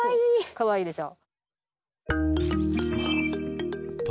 かわいいでしょ？